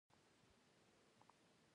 وزګارتیا او بې وزلي او رنځونه زیات شوي دي